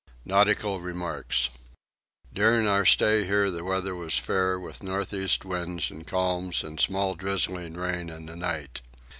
NAUTICAL REMARKS. During our stay here the weather was fair with north east winds and calms and small drizzling rain in the night.